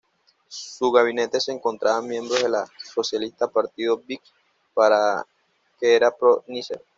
Su gabinete se encontraban miembros de la socialista Partido Baath que era pro-Nasser.